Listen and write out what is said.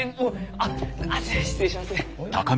あっ失礼します。